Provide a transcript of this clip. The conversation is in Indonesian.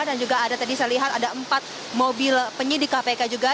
dan juga tadi saya lihat ada empat mobil penyidik kpk juga